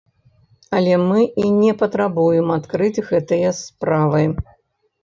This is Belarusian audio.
Але мы і не патрабуем адкрыць гэтыя справы.